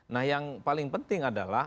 nah yang paling penting adalah